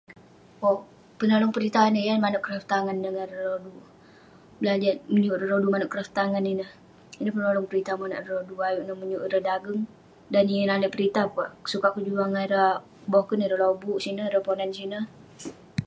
Owk, penolong peritah ineh yan neh manouk kraf tangan neh ngan ireh rodu. Menyuk ireh rodu manouk kraft tangan ineh. Ineh penolong peritah monak ireh rodu ayuk neh menyuk ireh dageng, dan neh yeng nale peritah peh, sukat kejuan ngan ireh boken. Ireh lobuk, ireh Ponan sineh.